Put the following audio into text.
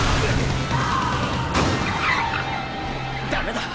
ダメだ。